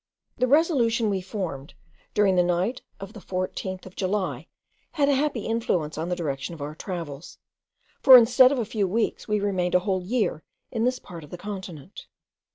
The resolution we formed during the night of the 14th of July, had a happy influence on the direction of our travels; for instead of a few weeks, we remained a whole year in this part of the continent.